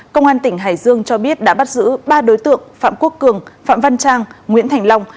công an tỉnh hải dương cho biết đã bắt giữ ba đối tượng phạm quốc cường phạm văn trang nguyễn thành long